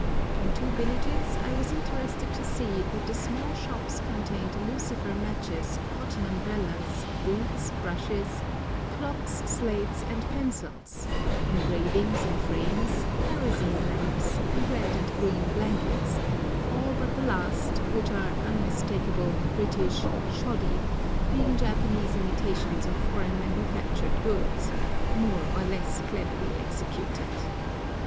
In two villages I was interested to see that the small shops contained lucifer matches, cotton umbrellas, boots, brushes, clocks, slates, and pencils, engravings in frames, kerosene lamps, and red and green blankets, all but the last, which are unmistakable British "shoddy," being Japanese imitations of foreign manufactured goods, more or less cleverly executed.